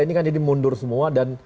ini kan jadi mundur semua dan